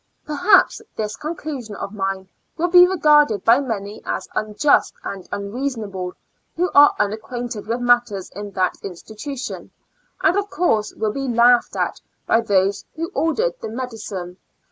Perhaps this conclusion of mine will be regarded by many as unjust and unreasona ble, who are unacquainted with matters in that institution, and of course will be laughed at by those who ordered the medi cine.